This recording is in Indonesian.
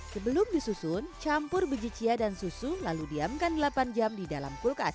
sebelum disusun campur biji cia dan susu lalu diamkan delapan jam di dalam kulkas